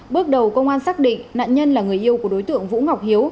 bước đầu công an xác định nạn nhân là người yêu của đối tượng vũ ngọc hiếu